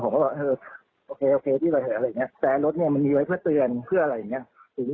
ผมก็บอกเออโอเคโอเคทีหลายเขาแบบอันดรายวิวไม่อยู่ให้เตือนเพื่อนเพื่อสักอย่าง